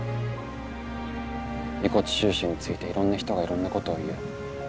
「遺骨収集についていろんな人がいろんなことを言う。